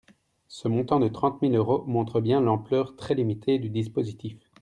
Ce montant de trente mille euros montre bien l’ampleur très limitée du dispositif.